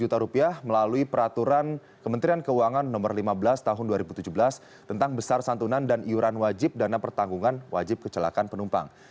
lima puluh juta rupiah melalui peraturan kementerian keuangan no lima belas tahun dua ribu tujuh belas tentang besar santunan dan iuran wajib dana pertanggungan wajib kecelakaan penumpang